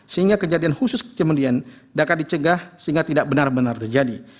sehingga kejadian khusus kemudian dapat dicegah sehingga tidak benar benar terjadi